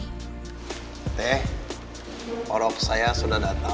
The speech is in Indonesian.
nih orang saya sudah datang